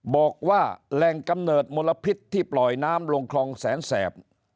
บอกว่าแหล่งกำเนิดมลพิษที่ปล่อยน้ำลงคลองแสนแสบ